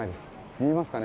見えますかね？